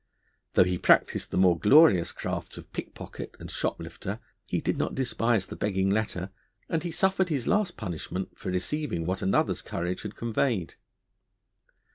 Though he practised the more glorious crafts of pickpocket and shoplifter, he did not despise the begging letter, and he suffered his last punishment for receiving what another's courage had conveyed.